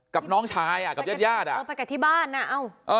กับน้องชายกับญาติไปกับที่บ้านนะ